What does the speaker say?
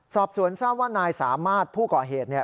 สอบสวนทราบว่านายสามารถผู้ก่อเหตุเนี่ย